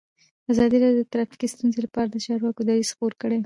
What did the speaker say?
ازادي راډیو د ټرافیکي ستونزې لپاره د چارواکو دریځ خپور کړی.